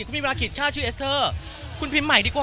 คุณมีเวลาขีดค่าชื่อเอสเตอร์คุณพิมพ์ใหม่ดีกว่า